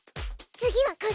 次はこれ。